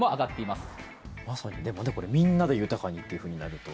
まさにみんなで豊かにというふうになると。